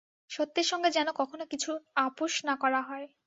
সত্যের সঙ্গে যেন কখনও কিছুর আপস না করা হয়।